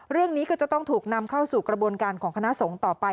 เรื่องนี้ก็จะต้องถูกนำเข้าสู่กระบวนการของคณะสงฆ์ต่อไป